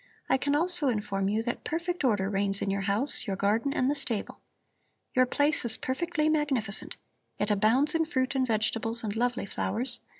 I can also inform you that perfect order reigns in your house, your garden and the stable. Your place is perfectly magnificent; it abounds in fruit and vegetables and lovely flowers.